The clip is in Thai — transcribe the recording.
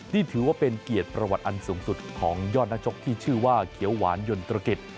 นี่ถือว่าเป็นเกียรติประวัติอันสูงสุดของยอดนักชกที่ชื่อว่าเขียวหวานยนตรกิจ